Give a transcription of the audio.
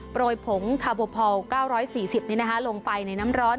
ยผงคาโบพอล๙๔๐ลงไปในน้ำร้อน